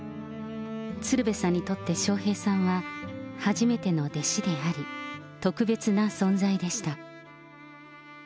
鶴瓶さんにとって笑瓶さんは、初めての弟子であり、特別な存在でした。